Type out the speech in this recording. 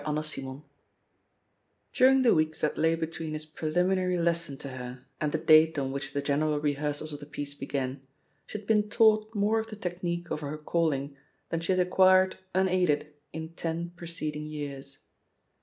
CHAPTER IV DuEiNQ the weeks that lay between his pre liminary lesson to her and the date on which the general rehearsals of the piece began, she had been taught more of the technique of her calling than she had acquired unaided in ten preceding years.